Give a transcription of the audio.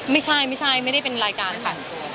ไม่ใช่ไม่ใช่ไม่ได้เป็นรายการค่ะ